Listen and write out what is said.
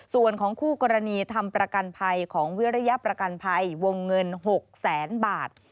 ส่วนของคู่กรณีทำประกันภัยของวิริยประกันภัยวงเงิน๖แสนบาท